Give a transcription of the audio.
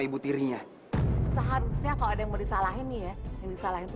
ibu tirinya seharusnya kalau ada yang bisa lain iya ini salah itu